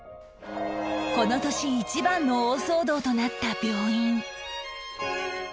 この年一番の大騒動となった病院